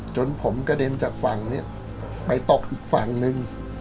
จนผมกระเด็นจากฝั่งนี้ไปตกอีกฝั่งนึง